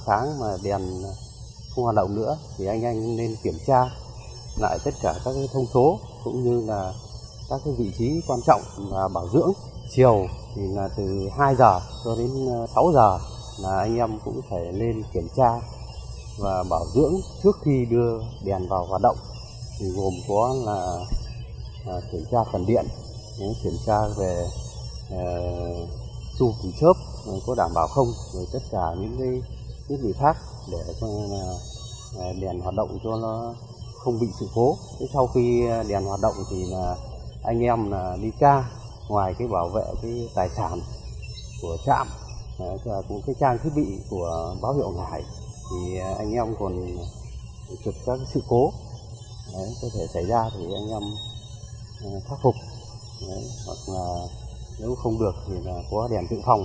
anh em còn chụp các sự cố có thể xảy ra thì anh em phát phục hoặc là nếu không được thì có đèn tự phòng thì anh em phải chuyển sang đèn tự phòng